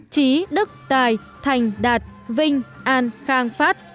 trí đức tài thành đạt vinh an khang phát